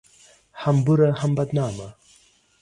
هم بوره ، هم بدنامه